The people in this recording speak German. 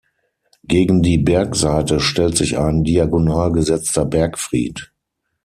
Gegen die Bergseite stellt sich ein diagonal gesetzter Bergfried.